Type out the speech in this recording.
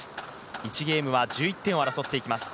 １ゲームは１１点を争っていきます。